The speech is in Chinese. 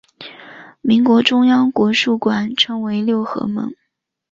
民国中央国术馆称为六合门。